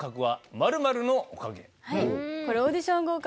オーディション合格